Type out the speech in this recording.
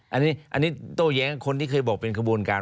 อันนี้โต้แย้งคนที่เคยบอกเป็นขบวนการ